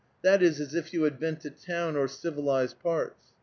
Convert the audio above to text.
That is as if you had been to town or civilized parts.